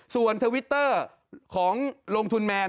ส่วนทวิตเตอร์ของลงทุนแมน